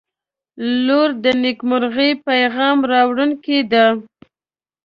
• لور د نیکمرغۍ پیغام راوړونکې ده.